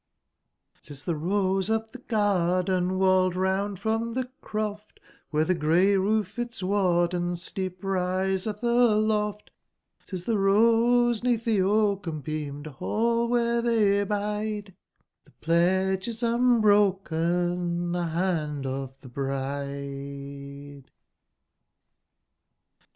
Xis tbe Rose of tbe garden walled round from tbe croft ^bere tbe grey roof its warden steep risetb aloft, Xis tbe Rose 'neatb tbe oaken ^beamed ball, wbere tbey bide, 'Cbc pledges unbroken, the band of tbe bride.